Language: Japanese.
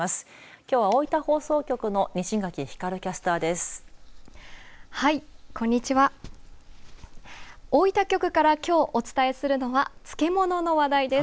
きょうは大分放送局の西垣光キャスターです。